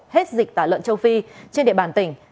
hết dịch tả lợn châu phi trên địa bàn tỉnh